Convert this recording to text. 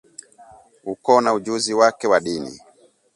ukoo na ujuzi wake wa dini